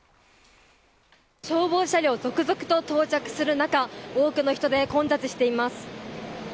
消防車両が続々と到着する中多くの人で混雑しています。